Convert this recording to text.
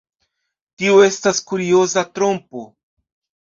Tio estas kurioza trompo.